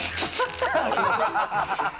ハハハハ！